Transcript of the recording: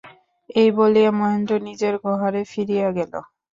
এই বলিয়া মহেন্দ্র নিজের ঘরে ফিরিয়া গেল।